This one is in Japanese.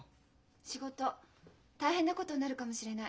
仕事大変なことになるかもしれない。